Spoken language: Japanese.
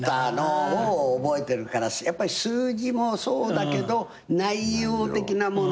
やっぱり数字もそうだけど内容的なもの。